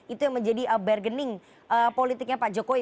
itu yang menjadi bargaining politiknya pak jokowi